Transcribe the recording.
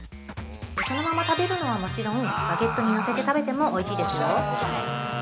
◆そのまま食べるのはもちろん、バゲットにのせて食べてもおいしいですよ。